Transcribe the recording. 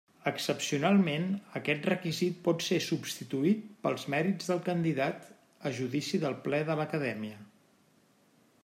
Excepcionalment aquest requisit pot ser substituït pels mèrits del candidat, a judici del Ple de l'Acadèmia.